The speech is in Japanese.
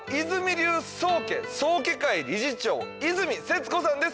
流宗家・宗家会理事長和泉節子さんです